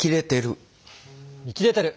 見切れてる。